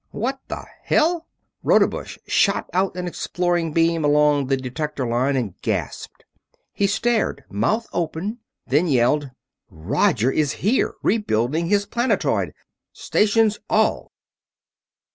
"What the hell!" Rodebush shot out an exploring beam along the detector line and gasped. He stared, mouth open, then yelled: "Roger is here, rebuilding his planetoid! STATIONS ALL!"